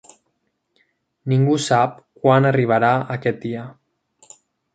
Ningú sap quan arribarà aquest dia.